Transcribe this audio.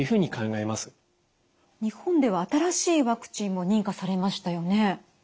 日本では新しいワクチンも認可されましたよね？